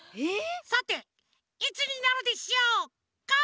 さていつになるでしょうか？